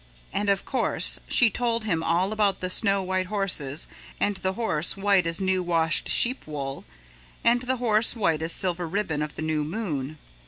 And of course, she told him all about the snow white horse and the horse white as new washed sheep wool and the horse white as a silver ribbon of the new moon.